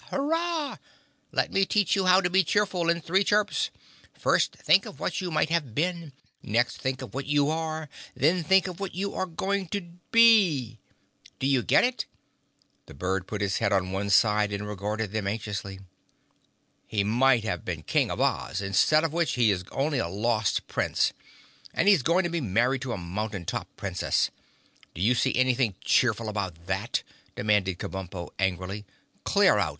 Hurrah! Let me teach you how to be cheerful in three chirps. First, think of what you might have been; next, think of what you are; then think of what you are going to be. Do you get it?" The bird put its head on one side and regarded them anxiously. "He might have been King of Oz, instead of which he is only a lost Prince, and he's going to be married to a mountain top Princess. Do you see anything cheerful about that?" demanded Kabumpo angrily. "Clear out!